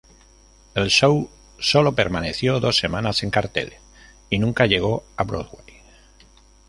El show solo permaneció dos semanas en cartel y nunca llegó a Broadway.